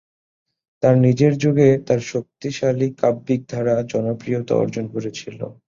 তার নিজের যুগে তার শক্তিশালী কাব্যিক ধারা জনপ্রিয়তা অর্জন করেছিল।